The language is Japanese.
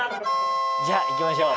じゃあ行きましょう。